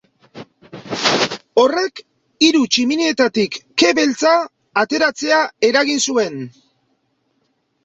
Horrek, hiru tximinietatik ke beltza ateratzea eragin zuen.